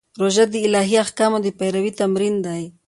روژه د الهي احکامو د پیروي تمرین دی.